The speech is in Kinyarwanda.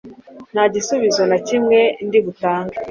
nta gisubizo na kimwe ndi butange